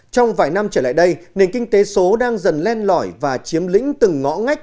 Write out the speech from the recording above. trong vài năm trở lại đây nền kinh tế số đang dần lên lỏi và chiếm lĩnh từng ngõ ngách